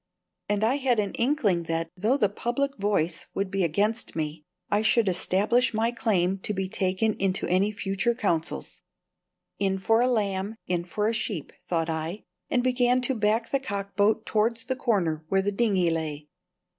And I had an inkling that, though the public voice would be against me, I should establish my claim to be taken into any future counsels. "In for a lamb, in for a sheep," thought I, and began to back the cockboat towards the corner where the dinghy lay.